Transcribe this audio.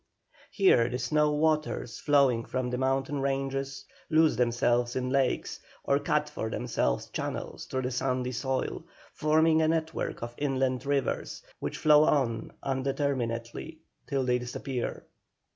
Here the snow waters flowing from the mountain ranges lose themselves in lakes, or cut for themselves channels through the sandy soil, forming a network of inland rivers, which flow on undeterminately till they disappear.